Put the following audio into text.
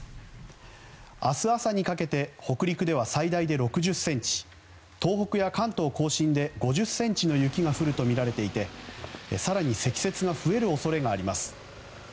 明日朝にかけて北陸では最大で６０ｃｍ東北や関東・甲信で５０ｃｍの雪が降るとみられていて更に積雪が増える恐れがあります。